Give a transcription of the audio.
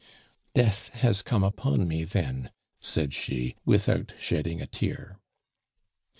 "Death has come upon me then," said she, without shedding a tear.